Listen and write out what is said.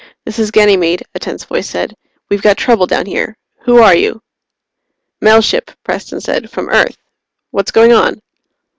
"This is Ganymede," a tense voice said. "We've got trouble down here. Who are you?" "Mail ship," Preston said. "From Earth. What's going on?"